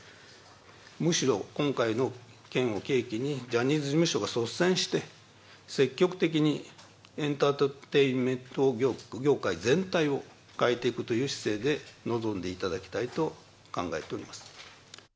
むしろ今回の件を契機に、ジャニーズ事務所が率先して、積極的にエンターテインメント業界全体を変えていくという姿勢で臨んでいただきたいと考えております。